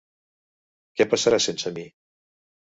Què passarà sense mi?